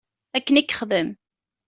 Akken i yexdem.